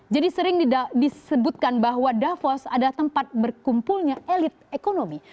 jadi sering disebutkan bahwa davos adalah tempat berkumpulnya elit ekonomi